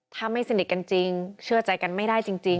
ถ้าไม่สนิทกันจริงเชื่อใจกันไม่ได้จริง